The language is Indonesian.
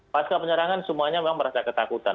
pasca penyerangan semuanya memang merasa ketakutan